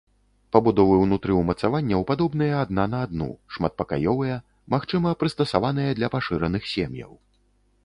Пабудовы ўнутры ўмацаванняў падобныя адна на адну, шматпакаёвыя, магчыма прыстасаваныя для пашыраных сем'яў.